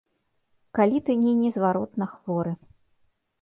Калі ты не незваротна хворы.